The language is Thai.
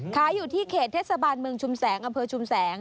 ขายอยู่ที่เขตเทศบาลเมืองชุมแสงอำเภอชุมแสง